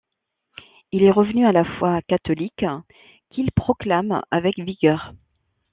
Il est revenu à la foi catholique, qu'il proclame avec vigueur.